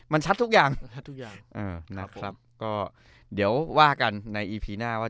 มันชัดทุกอย่างชัดทุกอย่างนะครับก็เดี๋ยวว่ากันในอีพีหน้าว่า